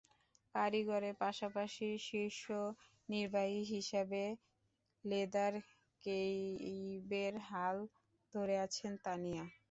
কারিগরের পাশাপাশি শীর্ষ নির্বাহী হিসেবে লেদার কেইভের হাল ধরে আছেন তানিয়া।